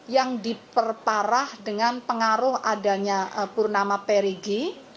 yang diperparah dengan pengaruh adanya purnama perigi